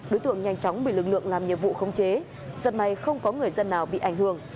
đối tượng nhanh chóng bị lực lượng làm nhiệm vụ khống chế rất may không có người dân nào bị ảnh hưởng